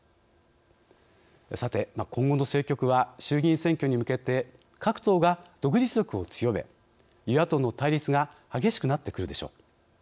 さて今後の政局は衆議院選挙に向けて各党が独自色を強め与野党の対立が激しくなってくるでしょう。